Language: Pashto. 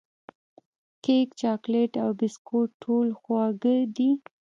کیک، چاکلېټ او بسکوټ ټول خوږې دي.